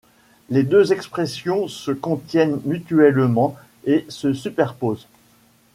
Les deux expressions se contiennent mutuellement et se superposent.